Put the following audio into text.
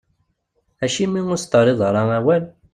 Acimi ur asent-terriḍ ara awal?